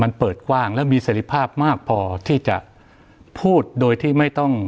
มันเปิดกว้างและมีเสร็จภาพมากพอที่จะพูดโดยที่ไม่ต้อง